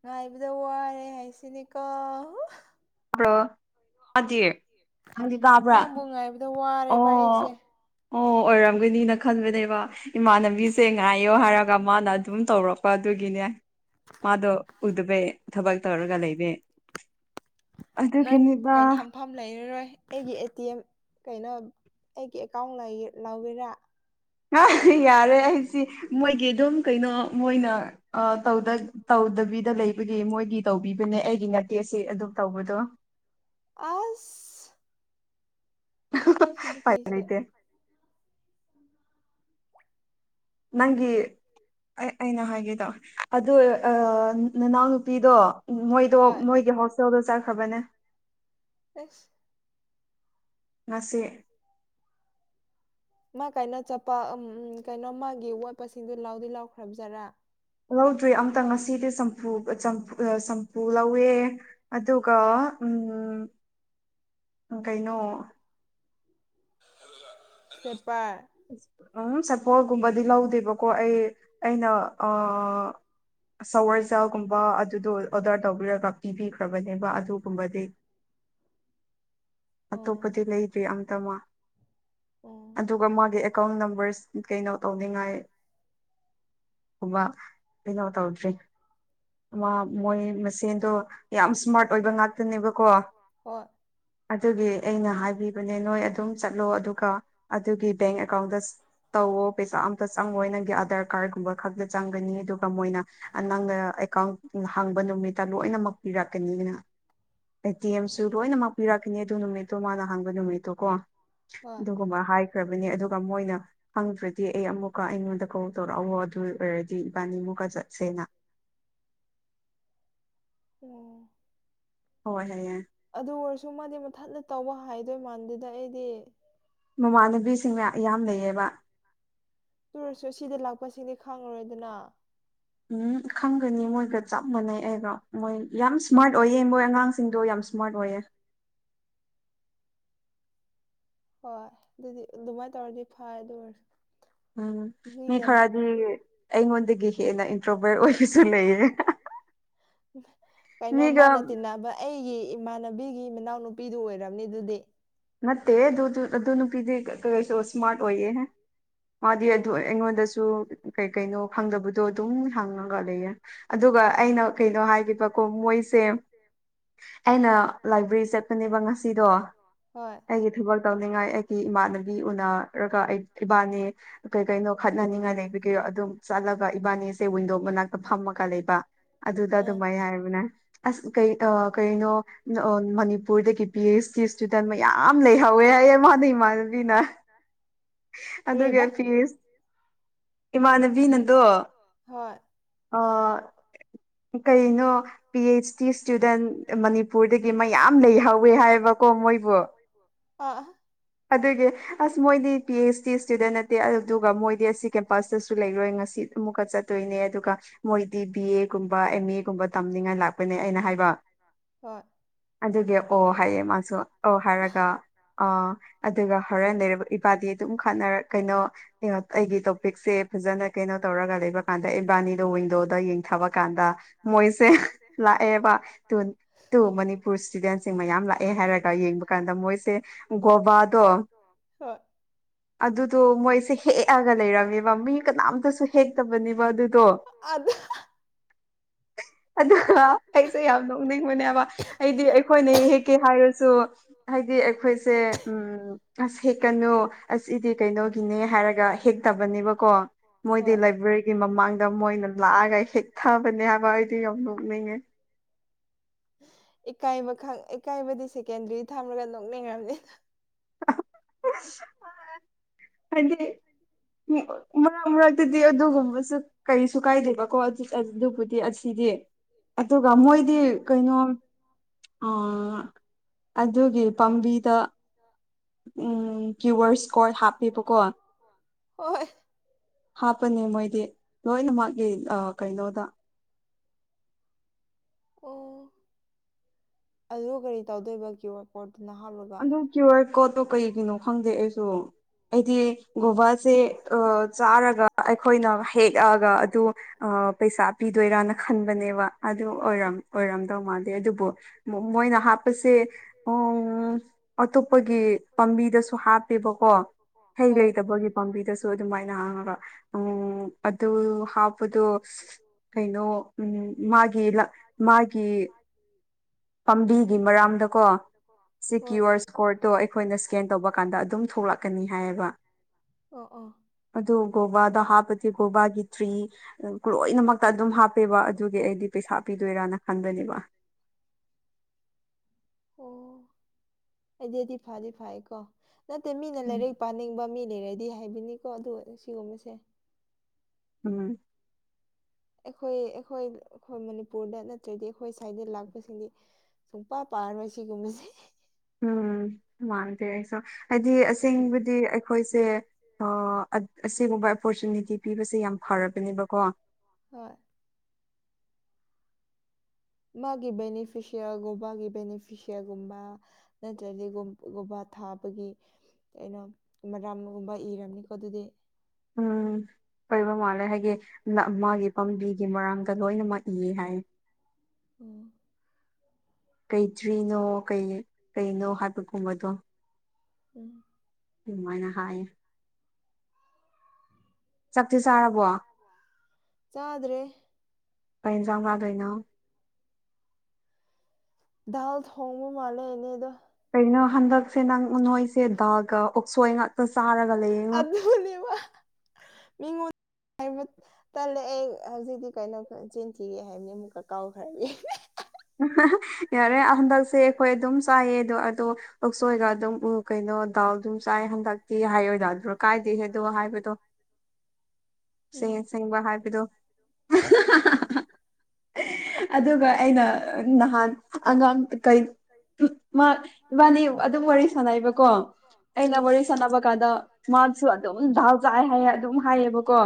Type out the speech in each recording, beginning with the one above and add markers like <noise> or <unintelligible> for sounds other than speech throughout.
ꯉꯥꯏꯕꯗ ꯋꯥꯔꯦ ꯍꯥꯏꯁꯤꯅꯦꯀꯣ ꯅꯪꯕꯨ ꯉꯥꯏꯕꯗ ꯋꯥꯔꯦꯕ ꯑꯩꯁꯦ ꯑꯣ ꯑꯣꯏꯔꯝꯒꯅꯤꯅ ꯈꯟꯕꯅꯦꯕ ꯏꯃꯥꯟꯅ ꯃꯤꯁꯦ ꯉꯥꯏꯌꯣ ꯍꯥꯏꯔꯒ ꯃꯥꯅ ꯑꯗꯨꯝ ꯇꯧꯔꯛꯄ ꯑꯗꯨꯒꯤꯅꯦ ꯃꯥꯗꯣ ꯎꯗꯕꯩ ꯊꯕꯛ ꯇꯧꯔꯒ ꯂꯩꯕ ꯑꯗꯨ ꯀꯦꯅꯕ ꯃꯐꯝ ꯂꯩꯔꯔꯣꯏ ꯑꯩꯒꯤ ꯑꯦ ꯇꯤ ꯑꯦꯝ ꯀꯩꯅꯣ ꯑꯩꯒꯤ ꯑꯦꯀꯥꯎꯟ ꯂꯧꯒꯦꯔꯥ ꯌꯥꯔꯦ ꯑꯩꯁꯤ ꯃꯣꯏꯒꯤ ꯑꯗꯨꯝ ꯀꯩꯅꯣ ꯃꯣꯏꯅ ꯇꯧꯗꯕꯤꯗ ꯂꯩꯕꯒꯤ ꯃꯣꯏꯒꯤ ꯇꯧꯕꯤꯕꯅꯦ ꯑꯩꯒꯤ ꯅꯠ ꯁꯤ ꯑꯗꯨ ꯇꯧꯕꯗꯣ ꯑꯁ ꯁꯤꯟꯄꯤꯁꯦ ꯅꯪꯒꯤ ꯑꯩꯅ ꯍꯥꯏꯒꯦꯗ ꯑꯗꯨ ꯅꯅꯥꯎ ꯅꯨꯄꯤꯗꯣ ꯃꯣꯏꯗꯣ ꯃꯣꯏꯒꯤ ꯍꯣꯁꯇꯦꯜꯗꯣ ꯆꯠꯈ꯭ꯔꯕꯅꯦ ꯑꯁ ꯉꯁꯤ ꯃꯥ ꯀꯩꯅꯣ ꯆꯠꯄ ꯎꯝ ꯎ ꯀꯩꯅꯣ ꯃꯥꯒꯤ ꯋꯥꯠꯄꯁꯤꯡꯗꯨꯣ ꯂꯥꯎꯗꯤ ꯂꯥꯎꯈ꯭ꯔꯕꯖꯔꯥ ꯂꯧꯗ꯭ꯔꯤ ꯑꯨꯛꯇ ꯉꯁꯤꯗꯤ ꯆꯝꯐꯨ ꯄꯨ ꯂꯧꯋꯦ ꯑꯗꯨꯒ ꯎꯝ ꯀꯩꯅꯣ <unintelligible> ꯎꯝ ꯁꯄꯣꯜꯒꯨꯝꯕꯗꯤ ꯂꯧꯗꯦꯕꯀꯣ ꯑꯩ ꯑꯩꯅ ꯑ ꯁꯋꯔ ꯖꯦꯜꯒꯨꯝꯕ ꯑꯗꯨꯗꯣ ꯑꯣꯗꯔ ꯇꯧꯕꯤꯔꯒ ꯄꯤꯕꯤꯈ꯭ꯔꯕꯅꯦꯕ ꯑꯗꯨꯒꯨꯝꯕꯗꯤ ꯑꯇꯣꯞꯄꯗꯤ ꯂꯩꯇ꯭ꯔꯤ ꯑꯝꯇ ꯃꯥ ꯑꯗꯨꯒ ꯃꯥꯒꯤ ꯑꯦꯀꯥꯎꯟ ꯅꯝꯕꯔꯁ ꯀꯩꯅꯣ ꯇꯧꯅꯤꯡꯉꯥꯏ ꯀꯨꯝꯕ ꯀꯩꯅꯣ ꯇꯧꯗ꯭ꯔꯤ ꯑꯃ ꯃꯣꯏ ꯃꯁꯦꯟꯗꯣ ꯌꯥꯝ ꯏꯁꯃꯥꯔꯠ ꯑꯣꯏꯕ ꯉꯥꯛꯇꯅꯦꯕꯀꯣ ꯑꯗꯨꯒꯤ ꯑꯩꯅ ꯍꯥꯏꯕꯤꯕꯅꯦ ꯅꯣꯏ ꯑꯗꯨꯝ ꯆꯠꯂꯣ ꯑꯗꯨꯒ ꯑꯗꯨꯒꯤ ꯕꯦꯡ ꯑꯦꯀꯥꯎꯟꯗ ꯇꯧꯋꯣ ꯄꯩꯁꯥ ꯑꯝꯇ ꯆꯪꯉꯣ ꯅꯪꯒꯤ ꯑꯙꯔ ꯀꯥꯔꯗꯒꯨꯝꯕ ꯈꯛꯇ ꯆꯪꯒꯅꯤ ꯑꯗꯨꯒ ꯃꯣꯏꯅ ꯅ ꯅꯪꯅ ꯑꯦꯀꯥꯎꯟ ꯍꯥꯡꯕ ꯅꯨꯃꯤꯠꯇ ꯂꯣꯏꯅꯃꯛ ꯄꯤꯔꯛꯀꯅꯤꯅ ꯑꯦ ꯇꯤ ꯑꯦꯝꯁꯨ ꯂꯣꯏꯅꯃꯛꯥꯛꯄꯤꯤꯔꯛꯀꯅꯤ ꯑꯗꯨ ꯅꯨꯃꯤꯠꯇꯣ ꯃꯥꯅ ꯍꯥꯡꯕ ꯅꯨꯃꯤꯠꯇꯣ ꯀꯣ ꯑꯗꯨꯒꯨꯝꯕ ꯍꯥꯏꯈ꯭ꯔꯕꯅꯤ ꯑꯗꯨꯒ ꯃꯣꯏꯅ ꯍꯪꯗ꯭ꯔꯗꯤ ꯑꯩ ꯑꯃꯨꯛꯀ ꯑꯩꯉꯣꯟꯗ ꯀꯣꯜ ꯇꯧꯔꯛꯑꯣ ꯑꯗꯨ ꯑꯣꯏꯔꯗꯤ ꯏꯕꯥꯅꯤꯃꯨꯛꯀ ꯆꯠꯁꯦꯅ ꯑꯣ ꯍꯣꯏ ꯌꯥꯏ ꯑꯗꯨ ꯑꯣꯏꯔꯁꯨ ꯃꯥꯗꯤ ꯃꯨꯊꯠꯅ ꯇꯧꯕ ꯍꯥꯏꯗꯣꯏ ꯃꯥꯟꯗꯨꯗ ꯑꯩꯗꯤ ꯃꯃꯥꯟꯅꯕꯤꯁꯤꯡꯅ ꯏꯌꯥꯝ ꯂꯩꯌꯦꯕ ꯇꯨꯔꯁꯨ ꯁꯤꯗ ꯂꯥꯛꯄꯁꯤꯡꯗꯤ ꯈꯪꯉꯔꯣꯏꯗꯅ ꯎꯝ ꯈꯪꯒꯅꯤ ꯃꯣꯏꯒ ꯆꯞ ꯃꯥꯟꯅꯩ ꯑꯩꯒ ꯃꯣꯏ ꯌꯥꯝ ꯁ꯭ꯃꯥꯔꯠ ꯑꯣꯏꯌꯦ ꯃꯣꯏ ꯑꯉꯥꯡꯁꯤꯡꯗꯣ ꯌꯥꯝ ꯏꯁꯃꯥꯔ ꯑꯣꯏꯦ ꯍꯣꯏ ꯑꯗꯨꯗꯤ ꯑꯗꯨꯃꯥꯏꯅ ꯇꯧꯔꯗꯤ ꯐꯔ ꯑꯗꯨ ꯑꯣꯏꯔꯁ ꯎꯝ ꯃꯤ ꯈꯔꯗꯤ ꯑꯩꯉꯣꯟꯗꯒꯤ ꯍꯦꯟꯅ ꯏꯟꯇ꯭ꯔꯣꯕꯔ ꯑꯣꯏꯕꯁꯨ ꯂꯩꯌꯦ <inaudible> ꯀꯩꯅꯣ ꯃꯥꯅ ꯇꯤꯟꯅꯕ ꯑꯩꯒꯤ ꯏꯃꯥꯟꯅꯕꯤꯒꯤ ꯃꯅꯥꯎꯅꯨꯄꯤꯗꯨ ꯑꯣꯏꯔꯝꯅꯤ ꯑꯗꯨꯗꯤ ꯅꯠꯇꯦꯍꯦ ꯗꯨ ꯑꯗꯨ ꯅꯨꯄꯤ ꯁ꯭ꯃꯥꯔꯠꯇ ꯑꯣꯏꯏꯌꯦ ꯍꯥꯏ ꯃꯥꯗꯤ ꯑꯗꯨ ꯑꯩꯉꯣꯟꯗꯁꯨ ꯀꯩ ꯀꯩꯅꯣ ꯈꯪꯗꯕꯗꯣ ꯑꯗꯨꯝ ꯍꯪꯉꯒ ꯂꯩꯌꯦ ꯑꯗꯨꯒ ꯑꯩꯅ ꯀꯩꯅꯣ ꯍꯥꯏꯈꯤꯕꯀꯣ ꯃꯣꯏꯁꯦ ꯑꯩꯅ ꯂꯥꯏꯕ꯭ꯔꯦꯔꯤ ꯆꯠꯄꯅꯦꯕ ꯉꯁꯤꯗꯣ ꯍꯣꯏ ꯑꯩꯒꯤ ꯊꯕꯛ ꯇꯧꯅꯤꯡꯉꯥꯏ ꯑꯩꯒꯤ ꯏꯃꯥꯟꯅꯕꯤ ꯎꯅꯔꯒ ꯑꯩ ꯏꯕꯥꯅꯤ ꯀꯩ ꯀꯩꯅꯣ ꯈꯠꯅꯅꯤꯡꯉꯥꯏ ꯂꯩꯕꯒꯤ ꯑꯗꯨ ꯆꯠꯂꯒ ꯏꯕꯥꯅꯤꯁꯦ ꯋꯤꯟꯗꯣ ꯃꯅꯥꯛꯇ ꯐꯝꯃꯒ ꯂꯩꯕ ꯑꯗꯨꯗ ꯑꯗꯨꯃꯥꯏꯅ ꯍꯥꯏꯕꯅꯦ ꯑꯁ ꯀꯩ ꯀꯩꯅꯣ ꯃꯅꯤꯄꯨꯔꯗꯒꯤ ꯄꯤ ꯑꯩꯆ ꯁꯤ <unintelligible> ꯑꯗꯨꯒꯤ ꯑ ꯐꯤꯁ ꯏꯃꯥꯟꯅꯕꯤ ꯅꯗꯣ ꯑ ꯀꯩꯅꯣ ꯄꯤ ꯑꯩꯆ ꯗꯤ ꯏꯁꯇꯨꯗꯦꯟ ꯃꯅꯤꯄꯨꯔꯗꯒꯤ ꯃꯌꯥꯝ ꯂꯩꯍꯧꯋꯦ ꯍꯥꯏꯕꯀꯣ ꯃꯣꯏꯕꯨ ꯑ ꯑꯗꯨꯒꯤ ꯑꯁ ꯃꯣꯏꯗꯤ ꯄꯤ ꯑꯩꯆ ꯗꯤ ꯏꯁꯇꯨꯗꯦꯟ ꯅꯠꯇꯦ ꯑꯗꯨꯗꯨ ꯃꯣꯏꯗꯤ ꯑꯁꯤ ꯀꯦꯝꯄꯁꯇꯁꯨ ꯂꯩꯔꯣꯏ ꯉꯁꯤ ꯑꯃꯨꯛꯀ ꯆꯠꯇꯣꯏꯅꯦ ꯑꯗꯨꯒ ꯃꯣꯏꯗꯤ ꯕꯤ ꯑꯦ ꯒꯨꯝꯕ ꯑꯦꯝ ꯑꯦ ꯒꯨꯝꯕ ꯇꯝꯅꯤꯡꯉꯥꯏ ꯂꯥꯛꯄꯅꯦ ꯑꯩꯅ ꯍꯥꯏꯕ ꯍꯣꯏ ꯑꯗꯨꯒꯤ ꯑꯣ ꯍꯥꯏꯌꯦ ꯃꯥꯁꯨ ꯑꯣ ꯍꯥꯏꯔꯒ ꯑꯥ ꯑꯗꯨꯒ ꯍꯣꯔꯦꯟ ꯂꯩꯔꯕ ꯏꯄꯥꯗꯤ ꯑꯗꯨꯝ ꯈꯠꯅꯔ ꯀꯩꯅꯣ ꯑꯩꯒꯤ ꯇꯣꯄꯤꯛꯁꯦ ꯐꯖꯅ ꯀꯩꯅꯣ ꯇꯧꯔꯒ ꯂꯩꯕ ꯀꯥꯟꯗ ꯏꯝꯕꯥꯟꯅꯤꯗꯣ ꯋꯤꯟꯗꯣꯗ ꯌꯦꯡꯊꯕ ꯀꯥꯟꯗ ꯃꯣꯏꯁꯦ ꯂꯥꯛꯑꯦꯕ ꯇꯨ ꯃꯅꯤꯄꯨꯔ ꯏꯁꯇꯨꯗꯦꯟꯁꯤꯡ ꯃꯌꯥꯝ ꯂꯥꯛꯑꯦ ꯍꯥꯏꯔꯒ ꯌꯦꯡꯕ ꯀꯥꯟꯗ ꯃꯣꯏꯁꯦ ꯒꯣꯕꯥ <unintelligible> ꯑꯗꯨꯗꯣ ꯃꯣꯏꯁꯦ ꯍꯦꯛ ꯑꯒ ꯂꯩꯔꯝꯃꯦꯕ ꯃꯤ ꯀꯅꯥꯝꯇꯁꯨ ꯍꯦꯛꯇꯕꯅꯦꯕ ꯑꯗꯨꯗꯣ ꯑꯗ <unintelligible> <unintelligible> ꯑꯗꯨꯒ ꯑꯩꯁꯦ ꯌꯥꯝ ꯅꯣꯛꯅꯤꯡꯕꯅꯦꯕ ꯑꯩꯗꯤ ꯑꯩꯈꯣꯏꯅ ꯍꯦꯛꯀꯦ ꯍꯥꯏꯔꯁꯨ ꯍꯥꯏꯗꯤ ꯑꯩꯈꯣꯏꯁꯦ ꯎꯝ ꯎ ꯑꯁ ꯍꯦꯛꯀꯅꯨ ꯑꯁ ꯏꯗꯤ ꯀꯩꯅꯣꯒꯤꯅꯦ ꯍꯥꯏꯔꯒ ꯍꯦꯛꯇꯕꯅꯦꯕꯀꯣ ꯃꯣꯏꯗꯤ ꯂꯥꯏꯕ꯭ꯔꯦꯒꯤ ꯃꯃꯥꯡꯗ ꯃꯣꯏꯅ ꯂꯥꯛꯑꯒ ꯍꯦꯛ ꯊꯕꯥꯅꯦ ꯍꯥꯏꯕ ꯑꯩꯗꯤ ꯌꯥꯝ ꯅꯣꯛꯅꯤꯡꯉꯦ <unintelligible> <inaudible> ꯏꯀꯥꯏꯕ ꯈ ꯏꯀꯥꯏꯕꯗꯤ ꯁꯦꯀꯦꯟꯗꯔꯤ ꯊꯝꯂꯒ ꯅꯣꯛꯅꯤꯡꯔꯝꯅꯤ ꯍꯥꯏꯗꯤ ꯃꯥꯔꯛ ꯃꯥꯔꯛꯇꯗꯤ ꯑꯗꯨꯒꯨꯝꯕꯁꯨ ꯀꯩꯁꯨ ꯀꯥꯏꯗꯦꯕꯥꯀꯣ ꯑꯗꯨꯕꯨꯗꯤ ꯑꯁꯤꯗꯤ ꯑꯗꯨꯒ ꯃꯣꯏꯗꯤ ꯀꯩꯅꯣ ꯑꯝ ꯑꯗꯨꯒꯤ ꯄꯥꯝꯕꯤꯗꯣ ꯎꯝ ꯀ꯭ꯌꯨ ꯑꯥꯔ ꯁꯀꯣꯗ ꯍꯥꯞꯄꯦꯕꯀꯣ ꯍꯣꯏ ꯍꯥꯞꯄꯅꯦ ꯃꯣꯏꯗꯤ ꯂꯣꯏꯅꯃꯛꯒꯤ ꯀꯩꯅꯣꯗ ꯑꯣ ꯑꯗꯨꯒ ꯀꯥꯔꯤ ꯇꯧꯗꯣꯏꯕ ꯀ꯭ꯌꯨ ꯑꯥꯔ ꯀꯣꯗꯇꯨꯅ ꯍꯥꯞꯂꯒ ꯀ꯭ꯌꯨ ꯑꯥꯔ ꯀꯣꯗꯠꯇꯣ ꯀꯩꯒꯤꯅꯣ ꯈꯪꯗꯦ ꯑꯩꯁꯨ ꯑꯩꯗꯤ ꯒꯣꯚ ꯁꯦ ꯆꯥꯔꯒ ꯑ ꯑꯩꯈꯣꯏꯅ ꯍꯦꯛꯂꯛꯑꯒ ꯑꯗꯨ ꯑ ꯄꯩꯁꯥ ꯄꯤꯗꯣꯏꯔꯥꯅ ꯈꯟꯕꯅꯦꯕ ꯑꯗꯨ ꯑꯣꯏꯔꯝ ꯑꯣꯏꯔꯝꯗꯧ ꯃꯥꯜꯗꯦ ꯑꯗꯨꯕꯨ ꯃꯣꯏꯅ ꯍꯥꯞꯄꯁꯦ ꯎꯝ <unintelligible> ꯑꯇꯣꯞꯄꯥꯒꯤ ꯄꯥꯝꯕꯤꯗꯥꯁꯨ ꯍꯥꯞꯄꯦꯕꯥꯀꯣ ꯍꯩ ꯂꯩꯇꯥꯕꯒꯤ ꯄꯥꯝꯕꯤꯗꯁꯨ ꯑꯗꯣ ꯑꯗꯨꯃꯥꯏꯅ ꯑ ꯎꯝ ꯑꯗꯨ ꯍꯥꯞꯄꯥꯗꯨ ꯀꯩꯅꯣ ꯎꯝ ꯃꯥꯒꯤ ꯃꯥꯒꯤ ꯄꯥꯝꯕꯤꯒꯤ ꯃꯥꯔꯝꯗꯥꯀꯣ ꯀ꯭ꯌꯨ ꯑꯥꯔ ꯀꯣꯗꯁꯇꯣ ꯑꯩꯈꯣꯏꯅ ꯁ꯭ꯀꯦꯟ ꯇꯧꯕ ꯀꯥꯟꯗ ꯑꯗꯨꯝ ꯊꯣꯛꯂꯛꯀꯥꯅꯤ ꯍꯥꯏꯌꯦꯕ ꯑꯣ ꯑꯣ ꯑꯗꯣ ꯒ꯭ꯋꯥꯕꯥꯗꯣ ꯍꯥꯞꯄꯗꯤ ꯒ꯭ꯋꯥꯕꯥꯒꯤ ꯇ꯭ꯔꯤ ꯂꯣꯏꯅꯃꯛꯇ ꯑꯗꯨꯝ ꯍꯥꯞꯄꯦꯕ ꯑꯗꯨꯒꯤ ꯑꯩꯗꯤ ꯄꯩꯁꯥ ꯄꯤꯗꯣꯏꯔꯥꯅ ꯈꯟꯕꯅꯦꯕ ꯑꯣ ꯑꯗꯨꯗꯤ ꯐꯥꯗꯤ ꯐꯩꯌꯦꯀꯣ ꯅꯠꯇꯦ ꯃꯤꯅ ꯂꯥꯏꯔꯤꯛ ꯄꯥꯅꯤꯡꯕ ꯃꯤ ꯂꯩꯔꯗꯤ ꯍꯥꯏꯕꯤꯅꯤꯀꯣ ꯑꯗꯨ ꯁꯤꯒꯨꯝꯕꯁꯦ ꯎꯝ ꯑꯩꯈꯣꯏ ꯑꯩꯈꯣꯏ ꯑꯩꯈꯣꯏ ꯃꯅꯤꯄꯨꯔꯗ ꯅꯠꯇ꯭ꯔꯗꯤ ꯑꯩꯈꯣꯏ ꯁꯥꯏꯗ ꯂꯥꯛꯄꯥꯁꯤꯡꯗꯤ ꯁꯨꯡꯄꯥ ꯄꯥꯔꯔꯣꯏ ꯁꯤꯒꯨꯝꯕꯥꯁꯦ ꯎꯝ ꯃꯥꯟꯗꯦ ꯑꯩꯁꯨ ꯍꯥꯏꯗꯤ ꯑꯁꯦꯡꯕꯗꯤ ꯑꯩ ꯑꯩꯈꯣꯏꯁꯦ ꯑ ꯑꯁꯤꯒꯨꯝꯕ ꯑꯣꯄꯣꯔꯆꯨꯅꯤꯇꯤ ꯄꯤꯕꯥꯁꯦ ꯌꯥꯝ ꯐꯔꯥꯕꯅꯦꯕꯥꯀꯣ ꯍꯣꯏ ꯃꯥꯒꯤ ꯕꯦꯅꯤꯐꯁꯤꯦꯜ ꯒꯣꯕꯥꯒꯤ ꯕꯦꯅꯤꯐꯁꯤꯦꯜꯒꯨꯝꯕ ꯅꯠꯇ꯭ꯔꯗꯤ ꯒ꯭ꯋꯥꯕꯥ ꯊꯥꯕꯒꯤ ꯩꯅꯣ ꯃꯔꯝꯒꯨꯝꯕ ꯏꯔꯕꯝꯅꯤꯀꯣ ꯑꯗꯨꯗꯤ ꯎꯝ ꯀꯕ ꯃꯥꯜꯂꯦ ꯍꯥꯏꯗꯤ ꯃꯥꯒꯤ ꯄꯥꯝꯕꯤꯒꯤ ꯃꯔꯥꯡꯗ ꯂꯣꯏꯅꯃꯛ ꯏꯌꯦ ꯍꯥꯏꯌꯦ ꯎꯝ ꯀꯩ ꯇ꯭ꯔꯤꯅꯣ ꯀꯩ ꯀꯩꯅꯣ ꯍꯥꯏꯕꯒꯨꯝꯕꯥꯗꯣ ꯎꯝ <unintelligible> ꯑꯗꯨꯃꯥꯏꯅ ꯍꯥꯏꯌꯦ ꯆꯥꯛꯇꯤ ꯆꯥꯔꯕꯣ ꯀꯩ ꯏꯟꯖꯥꯡ ꯆꯥꯗꯣꯏꯅꯣ ꯗꯥꯜ ꯊꯣꯡꯕ ꯃꯥꯜꯂꯦ ꯏꯅꯦꯗ ꯀꯩꯅꯣ ꯍꯟꯗꯛꯁꯦ ꯅꯪ ꯅꯣꯏꯁꯦ ꯗꯥꯜꯒ ꯎꯠꯁꯣꯏ ꯉꯥꯛ ꯑꯗꯨꯅꯦꯕꯥ ꯃꯤꯉꯣꯟ ꯍꯥꯏꯕ ꯇꯜꯂꯦ ꯑꯩ ꯍꯧꯖꯤꯛꯇꯤ ꯀꯩꯅꯣ ꯆꯤꯟꯊꯤꯌꯦ ꯍꯥꯏꯕꯅꯦ ꯑꯃꯨꯛꯀꯥ ꯀꯥꯎꯈ꯭ꯔꯗꯤ ꯌꯥꯔꯦ ꯍꯟꯗꯛꯁꯦ ꯑꯩꯈꯣꯏ ꯑꯗꯨꯝ ꯆꯥꯏꯑ ꯑꯗꯣ ꯑꯗꯣ ꯎꯠꯁꯣꯏꯒ ꯑꯗꯨꯝ ꯀꯩꯅꯣ ꯗꯥꯜ ꯑꯗꯨꯝ ꯆꯥꯏ ꯍꯟꯗꯛꯇꯤ ꯍꯥꯏꯌꯣ ꯌꯥꯗ꯭ꯔꯣ ꯀꯥꯏꯗꯦꯍꯦ ꯑꯗꯨ ꯍꯥꯏꯕꯗꯣ ꯑꯁꯦꯡ ꯑꯁꯦꯡꯕ ꯍꯥꯏꯕꯗꯣ ꯑꯗꯨꯒ ꯑꯩꯅ ꯅꯍꯥꯟ ꯑꯉꯥꯡ ꯀꯩ ꯏꯕꯥꯅꯤ ꯑꯗꯨꯝ ꯋꯥꯔꯤ ꯁꯥꯟꯅꯩꯕꯥꯀꯣ ꯑꯩꯅ ꯋꯥꯔꯤ ꯁꯥꯟꯅꯕ ꯀꯥꯟꯗ ꯃꯥ ꯁꯨ ꯑꯗꯨꯝ ꯗꯥꯥꯜ ꯆꯥꯏꯌꯦ ꯍꯥꯏꯌꯦ ꯑꯗꯨꯝ ꯍꯥꯏꯌꯦꯕꯥꯀꯣ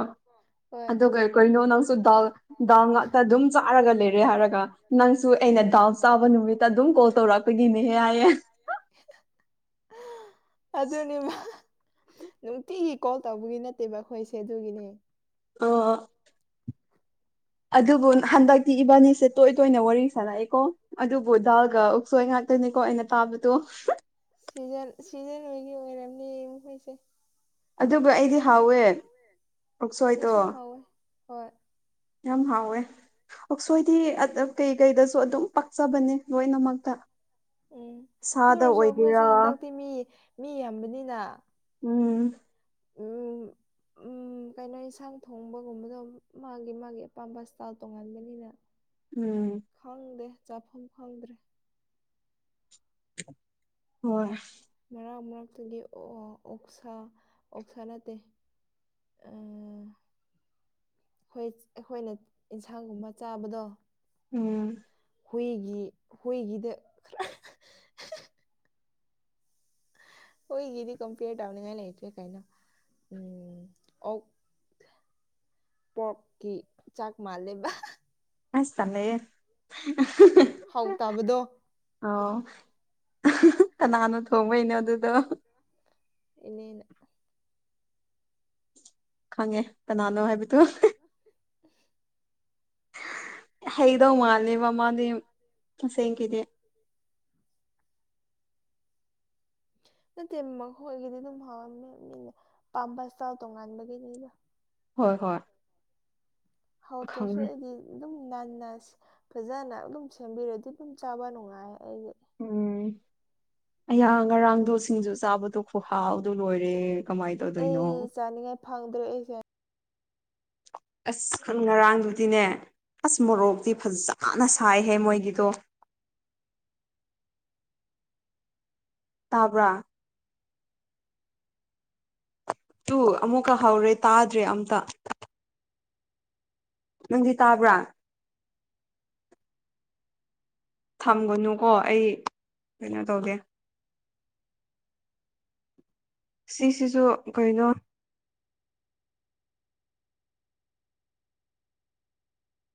ꯑꯗꯨꯒ ꯀꯣꯏꯅꯣ ꯅꯪꯁꯨ ꯗꯥꯜ ꯗꯗꯥꯜ ꯉꯥꯛꯇ ꯑꯗꯨꯝ ꯆꯥꯔꯒ ꯂꯩꯔꯦ ꯍꯥꯏꯔꯒ ꯅꯪꯁꯨ ꯑꯩꯅ ꯗꯥꯎꯠ ꯆꯥꯕ ꯅꯨꯃꯤꯠꯇ ꯑꯗꯨꯝ ꯀꯣꯜ ꯇꯧꯔꯛꯄꯒꯤꯅꯦꯍꯦ ꯍꯥꯏꯌꯦꯦ ꯑꯗꯨꯗꯅꯤꯃ ꯅꯨꯡꯇꯤꯒꯤ ꯀꯣꯜ ꯇꯧꯕꯒꯤ ꯅꯠꯇꯦꯕ ꯑꯩꯈꯣꯏꯁꯦ ꯑꯗꯨꯒꯤꯅꯦ ꯑꯥ <unintelligible> ꯑꯗꯨꯕꯨ ꯍꯟꯗꯛꯇꯤ ꯏꯕꯥꯅꯤꯁꯦ ꯇꯣꯏ ꯇꯣꯏꯅ ꯋꯥꯔꯤ ꯁꯥꯔꯛꯑꯦꯀꯣ ꯑꯗꯨꯕꯨ ꯗꯥꯜꯒ ꯎꯠꯁꯣꯏ ꯉꯥꯛꯇꯥꯅꯦꯀꯣ ꯑꯩꯅ ꯇꯥꯕꯗꯣ ꯁꯤꯖꯟ ꯁꯤꯖꯟ ꯍꯣꯏꯒꯤ ꯑꯣꯏꯔꯕꯅꯤ ꯃꯣꯏꯁꯦ ꯑꯗꯨꯕꯨ ꯑꯩꯗꯤ ꯍꯥꯎꯋꯦ ꯎꯠꯁꯣꯏꯗꯣ ꯍꯣꯏ ꯌꯥꯝ ꯍꯥꯎꯋꯦ ꯑꯣꯁꯣꯏꯗꯤ ꯀꯩꯀꯩꯗꯁꯨ ꯑꯗꯨꯝ ꯄꯥꯛꯆꯕꯅꯦ ꯂꯣꯏꯅꯃꯛꯇ ꯎꯝ ꯑꯗꯨ ꯑꯣꯏꯔꯁꯨ ꯑꯩꯈꯣꯏꯁꯦ ꯍꯟꯗꯛꯇꯤ ꯃꯤ ꯃꯤ ꯌꯥꯝꯕꯅꯤꯅ ꯎꯝ <unintelligible> ꯀꯩꯅꯣ ꯌꯦꯟꯁꯥꯡ ꯊꯣꯡꯕꯒꯨꯝꯕꯗꯣ ꯃꯥꯒꯤ ꯃꯥꯒꯤ ꯑꯄꯥꯝꯕ ꯏꯁꯇꯥꯏꯜ ꯇꯣꯡꯉꯥꯟꯕꯥꯟꯕꯅꯤꯅ ꯎꯝ ꯈꯪꯗꯦ ꯆꯥꯐꯝ ꯈꯪꯗ꯭ꯔꯦ ꯍꯣꯏ ꯃꯔꯛ ꯃꯔꯛꯇꯥꯗꯤ ꯑꯣꯛꯁꯥ ꯑꯣꯛꯁꯥ ꯅꯠꯇꯦ ꯑ ꯑꯩꯈꯣꯏ ꯑꯩꯈꯣꯏꯅ ꯏꯟꯁꯥꯡꯒꯨꯝꯕ ꯆꯥꯕꯗꯣ ꯎꯝ ꯍꯨꯏꯒꯤ ꯍꯨꯏꯒꯤꯗ ꯍꯣꯏꯒꯤꯤꯗꯤ ꯀꯝꯄꯌꯔ ꯇꯥꯎꯅꯤꯡꯉꯥꯏ ꯂꯩꯇꯦ ꯀꯥꯏꯅ ꯎꯝ ꯑꯣ ꯄꯣꯛꯀꯤ ꯆꯥꯛ ꯃꯜꯦꯕ ꯑꯁ ꯇꯅꯦ ꯍꯥꯎꯇꯕꯗꯣ ꯑꯣ ꯀꯅꯥꯅ ꯊꯣꯡꯕꯩꯅꯣ ꯑꯗꯨꯗꯣ ꯏꯅꯦꯅ ꯈꯪꯉꯦ ꯀꯅꯥꯅꯣ ꯍꯥꯏꯕꯗꯨ <inaudible> ꯍꯩꯗꯧ ꯃꯥꯜꯂꯦꯕ ꯃꯥꯗꯤ ꯇꯁꯦꯡꯒꯤꯗꯤ ꯅꯠꯇꯦ ꯃꯈꯣꯏꯒꯤꯗꯤ ꯑꯗꯨꯝ ꯍꯥꯎꯔꯝꯅꯤ ꯃꯤꯅꯥ ꯄꯥꯝꯕ ꯁ꯭ꯇꯥꯏꯜ ꯇꯣꯡꯉꯥꯟꯕꯒꯤꯅꯤꯗꯥ ꯍꯣꯏ ꯍꯣꯏ ꯍꯥꯎꯇ꯭ꯔꯁꯨ ꯑꯩꯗꯤ ꯑꯗꯨꯝ ꯉꯟꯅ ꯐꯖꯥꯅ ꯑꯗꯨꯝ ꯁꯦꯝꯕꯤꯔꯥꯗꯤ ꯑꯗꯨꯝ ꯆꯥꯕ ꯅꯨꯡꯉꯥꯏꯌꯦ ꯑꯩꯗꯤ ꯎꯝ ꯑꯩꯍꯥꯛ ꯉꯔꯥꯡꯗꯣ ꯁꯤꯡꯖꯨ ꯆꯥꯕꯗꯣ ꯈꯨꯍꯥꯎꯗꯣ ꯂꯣꯏꯔꯦ ꯑꯩ ꯆꯥꯅꯤꯡꯉꯥꯏ ꯐꯪꯗ꯭ꯔꯦ ꯑꯩ ꯑꯁ ꯉꯔꯥꯡꯗꯨꯗꯤꯅꯦ ꯑꯁ ꯃꯣꯔꯣꯛꯇꯤ ꯐꯖꯥꯅ ꯁꯥꯏꯍꯦ ꯃꯣꯏꯒꯤꯗꯣ ꯇꯥꯕ꯭ꯔꯥ ꯇꯨ ꯑꯃꯨꯛꯀ ꯍꯧꯔꯦ ꯇꯥꯗ꯭ꯔꯦ ꯑꯝꯇ ꯅꯪꯗꯤ ꯇꯥꯕ꯭ꯔꯥ ꯊꯝꯒꯅꯨꯀꯣ ꯑꯩ ꯀꯩꯅꯣ ꯇꯧꯒꯦ ꯁꯤꯁꯤꯁꯨ ꯀꯥꯔꯤꯅꯣ